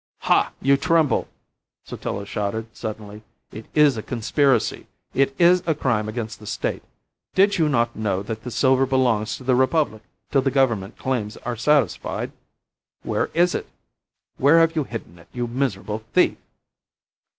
"Ha! you tremble," Sotillo shouted, suddenly. "It is a conspiracy. It is a crime against the State. Did you not know that the silver belongs to the Republic till the Government claims are satisfied? Where is it? Where have you hidden it, you miserable thief?"